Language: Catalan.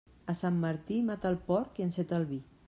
A Sant Martí, mata el porc i enceta el vi.